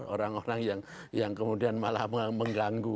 orang orang yang kemudian malah mengganggu